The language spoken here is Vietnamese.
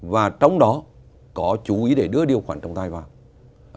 và trong đó có chú ý để đưa điều khoản trọng tài vào